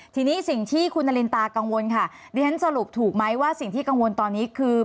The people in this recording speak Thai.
ทีนี้สิ่งที่คุณนารินตากังวลค่ะดิฉันสรุปถูกไหมว่าสิ่งที่กังวลตอนนี้คือ